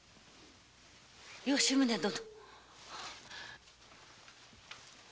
吉宗殿！